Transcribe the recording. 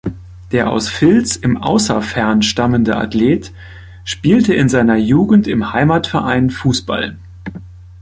Der aus Vils im Außerfern stammende Athlet spielte in seiner Jugend im Heimatverein Fußball.